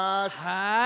はい。